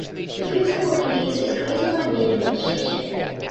The principal land use is grazing on native vegetation.